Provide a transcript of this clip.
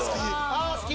・あ好き！